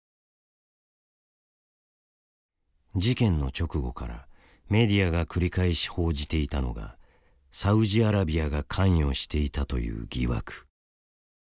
事件の直後からメディアが繰り返し報じていたのがサウジアラビアが関与していたという疑惑。